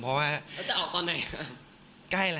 เพราะว่าแล้วจะออกตอนไหนครับ